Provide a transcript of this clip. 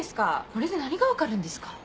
これで何が分かるんですか？